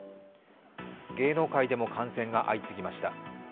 芸能界でも感染が相次ぎました。